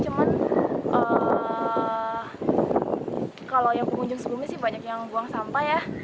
cuman kalau yang pengunjung sebelumnya sih banyak yang buang sampah ya